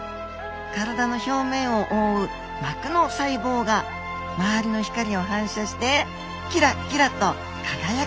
体の表面を覆う膜の細胞が周りの光を反射してキラキラと輝くように見えるんです。